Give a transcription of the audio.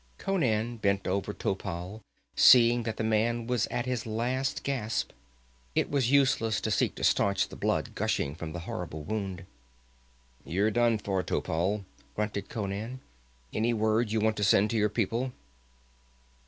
Conan bent over Topal, seeing that the man was at his last gasp. It was useless to seek to stanch the blood gushing from the horrible wound. "You're done for, Topal," grunted Conan. "Any word you want to send to your people?"